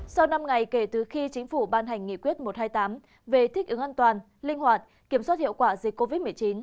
sau năm ngày kể từ khi chính phủ ban hành nghị quyết một trăm hai mươi tám về thích ứng an toàn linh hoạt kiểm soát hiệu quả dịch covid một mươi chín